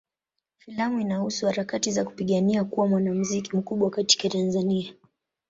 Filamu inahusu harakati za kupigania kuwa mwanamuziki mkubwa katika Tanzania.